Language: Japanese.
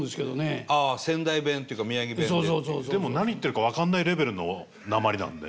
でも何言ってるか分かんないレベルのなまりなんで。